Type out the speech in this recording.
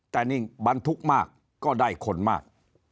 แต่นี่บรรทุกมากก็ได้คนมาก